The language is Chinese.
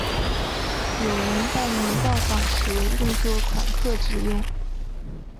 有人拜年到访时用作款客之用。